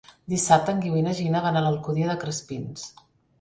Dissabte en Guiu i na Gina van a l'Alcúdia de Crespins.